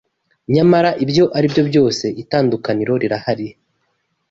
nyamara ibyo aribyo byose, itandukaniro rirahari